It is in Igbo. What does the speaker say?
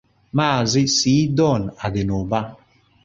Maazị C-Don Adịnụba.